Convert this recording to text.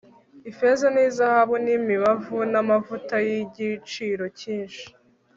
ifeza n'izahabu n'imibavu n'amavuta y'igiciro cyinshi